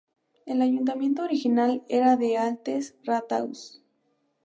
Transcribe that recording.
El ayuntamiento original era el Altes Rathaus.